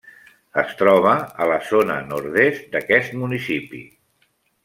Es troba a la zona nord-est d'aquest municipi.